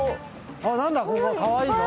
かわいいぞ。